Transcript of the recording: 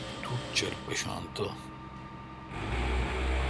توٹھ چول پیشان تو۔